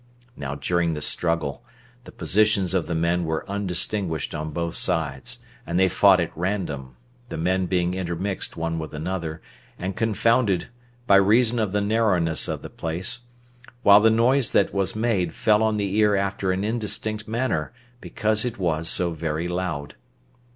Now during this struggle the positions of the men were undistinguished on both sides, and they fought at random, the men being intermixed one with another, and confounded, by reason of the narrowness of the place; while the noise that was made fell on the ear after an indistinct manner, because it was so very loud.